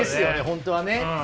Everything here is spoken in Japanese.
本当はね。